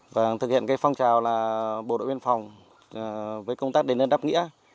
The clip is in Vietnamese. và thực hiện phong trào bộ đội biên phòng với công tác đền lên đắp nghĩa